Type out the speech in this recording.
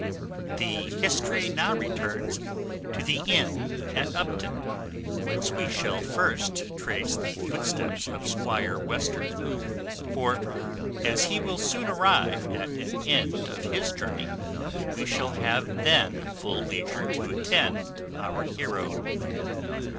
The history now returns to the inn at Upton, whence we shall first trace the footsteps of Squire Western; for, as he will soon arrive at an end of his journey, we shall have then full leisure to attend our heroe.